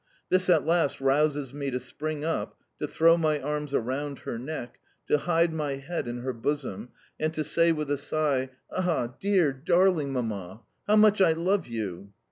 This at last rouses me to spring up, to throw my arms around her neck, to hide my head in her bosom, and to say with a sigh: "Ah, dear, darling Mamma, how much I love you!"